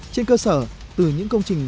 trên cơ sở từ những công trình